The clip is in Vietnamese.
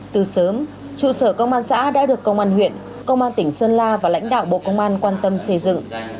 từ sớm trụ sở công an xã đã được công an huyện công an tỉnh sơn la và lãnh đạo bộ công an quan tâm xây dựng